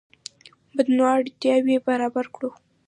متنوع اړتیاوې برابر کړو.